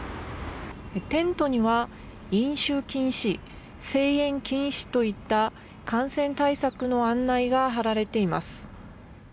テントには飲酒禁止、声援禁止といった感染対策の案内が貼られています。